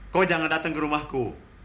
kok jangan datang ke rumahku